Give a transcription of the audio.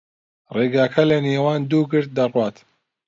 ڕێگاکە لەنێوان دوو گرد دەڕوات.